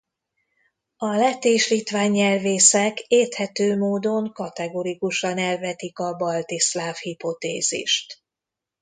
A lett és litván nyelvészek érthető módon kategorikusan elvetik a balti-szláv hipotézist.